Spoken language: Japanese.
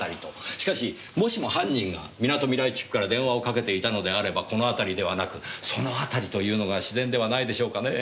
しかしもしも犯人がみなとみらい地区から電話をかけていたのであればこの辺りではなく「その辺り」と言うのが自然ではないでしょうかねえ。